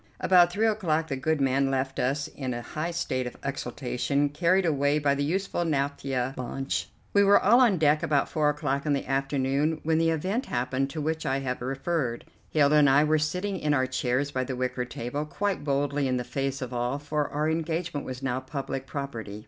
About three o'clock the good man left us in a high state of exultation, carried away by the useful naphtha launch. We were all on deck about four o'clock in the afternoon when the event happened to which I have referred. Hilda and I were sitting in our chairs by the wicker table, quite boldly in the face of all, for our engagement was now public property.